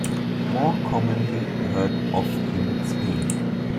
More commonly heard of in Spain.